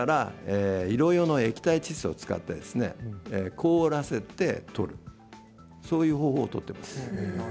医療用の液体窒素を使って凍らせて取るそういう方法を取っています。